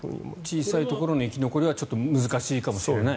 小さいところの生き残りは難しいかもしれない。